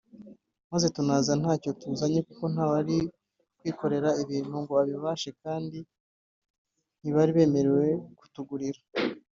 maze tunaza ntacyo tuzanye kuko nta wari kwikorera ibintu ngo abibashe kandi ntibari banemerewe kutugurira”